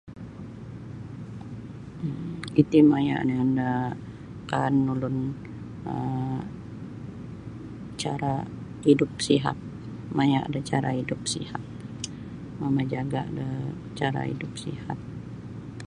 um Iti maya' nio da kaan ulun um cara hidup sihat maya' da cara hidup sihat mamajaga' da cara hidup sihat.